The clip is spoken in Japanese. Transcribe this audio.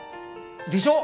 でしょ？